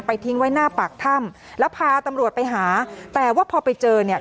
ทิ้งไว้หน้าปากถ้ำแล้วพาตำรวจไปหาแต่ว่าพอไปเจอเนี่ย